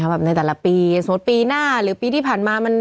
ครับแบบในแต่ละปีสมมติปีหน้าหรือปีที่ผ่านมามัน